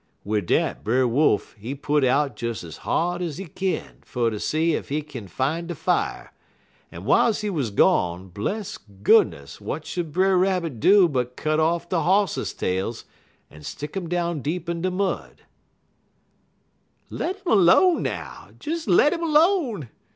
"Wid dat Brer Wolf, he put out des ez hard ez he kin, fer ter see ef he can't fin' de fier; en w'iles he wuz gone, bless goodness, w'at should Brer Rabbit do but cut off de hosses' tails en stick um down deep in de mud " "Le' 'im 'lone, now! Des le' 'im 'lone!"